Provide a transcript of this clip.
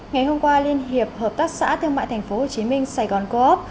ngày hôm qua liên hiệp hợp tác xã thương mại tp hcm sài gòn co op